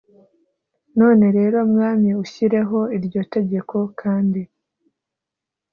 none rero mwami ushyireho iryo tegeko kandi